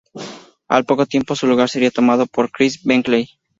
Al poco tiempo, su lugar sería tomado por Kris Bentley.